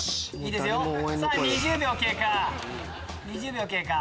２０秒経過。